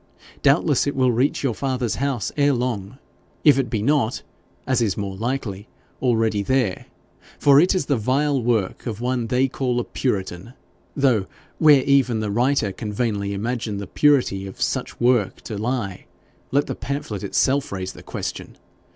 Doubtless it will reach your father's house ere long, if it be not, as is more likely, already there, for it is the vile work of one they call a puritan, though where even the writer can vainly imagine the purity of such work to lie, let the pamphlet itself raise the question.